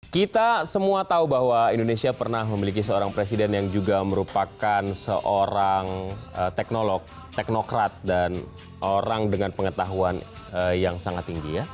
kita semua tahu bahwa indonesia pernah memiliki seorang presiden yang juga merupakan seorang teknolog teknokrat dan orang dengan pengetahuan yang sangat tinggi ya